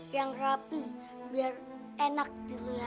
yang rapi biar enak dilihatin ya